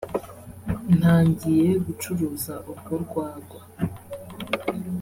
ntangiye gucuruza urwo rwagwa